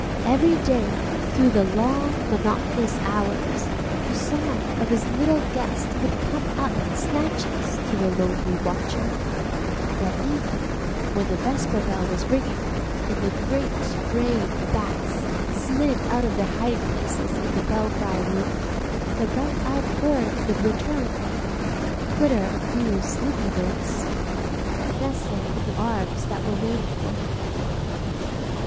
Every day, through the long monotonous hours, the song of his little guest would come up in snatches to the lonely watcher, and at evening, when the vesper bell was ringing and the great grey bats slid out of their hiding places in the belfry roof, the bright eyed bird would return, twitter a few sleepy notes, and nestle into the arms that were waiting for him.